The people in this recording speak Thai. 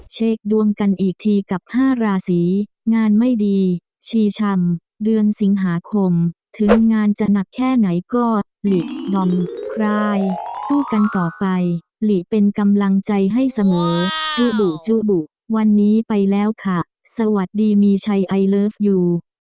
เช็คดวงกันอีกทีกับ๕ราศีงานไม่ดีชีชำเดือนสิงหาคมถึงงานจะหนักแค่ไหนก็หลีนอมคลายสู้กันต่อไปหลีเป็นกำลังใจให้เสมอจุบุจุบุวันนี้ไปแล้วค่ะสวัสดีมีชัยไอเลิฟยู